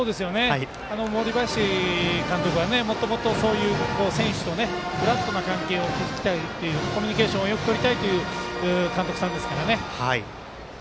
森林監督はもともと、そういう選手とフラットな関係を築きたいコミュニケーションをよくとりたいという監督さんですからね。